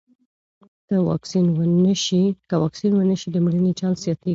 که واکسین ونه شي، د مړینې چانس زیاتېږي.